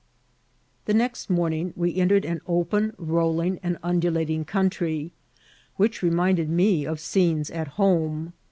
Thb next morning we entered an open> rolling, and undulating country, which reminded me of scenes at home.